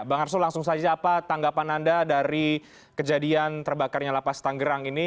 bang arsul langsung saja apa tanggapan anda dari kejadian terbakarnya lapas tanggerang ini